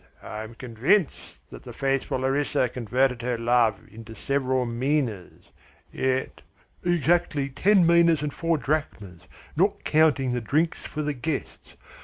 I am convinced that the faithful Larissa converted her love into several minas. Yet " "Exactly ten minas and four drachmas, not counting the drinks for the guests.